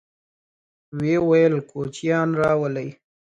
ويې ويل: کوچيان راولئ!